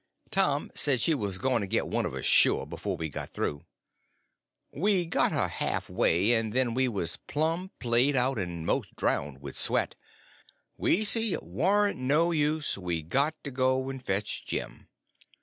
Tom said she was going to get one of us, sure, before we got through. We got her half way; and then we was plumb played out, and most drownded with sweat. We see it warn't no use; we got to go and fetch Jim.